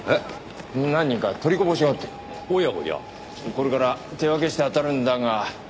これから手分けして当たるんだが。